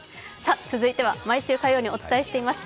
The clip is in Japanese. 続いては毎週火曜にお伝えしています